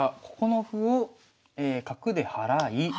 ここの歩を角で払い。